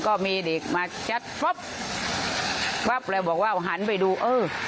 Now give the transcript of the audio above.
ก็มีเด็กมาชัดป๊อบป๊อบแล้วบอกว่าอ้าวหันไปดูเออ